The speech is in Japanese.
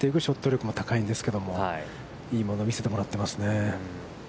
力も高いんですけれども、いいものを見せてもらっていますね。